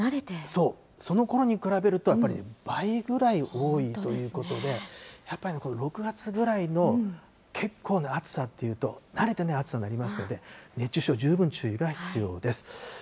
そう、そのころに比べると、やっぱり倍ぐらい多いということで、やっぱりね、この６月ぐらいの結構な暑さっていうと、慣れてない暑さになりますので、熱中症、十分注意が必要です。